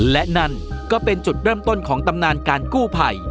และนั่นก็เป็นจุดเริ่มต้นของตำนานการกู้ภัย